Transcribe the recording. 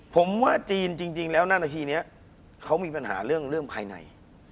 ผมว่าจีนจริงแล้วหน้านาทีนี้เขามีปัญหาเรื่องภายใน